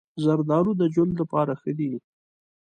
زردالو د جلد لپاره ښه دی.